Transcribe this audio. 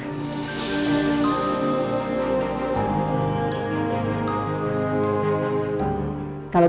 ya terima kasih